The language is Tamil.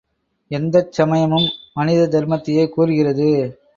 எந்தச் சமயமும் மனித தர்மத்தையே கூறுகிறது.